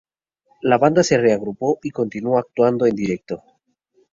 La banda se reagrupó y continuó actuando en directo.